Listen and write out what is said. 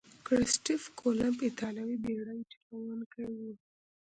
کرستف کولمب ایتالوي بیړۍ چلوونکی وو.